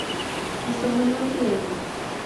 kisomansoti eng' gaa